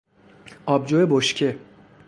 آبجو بشکه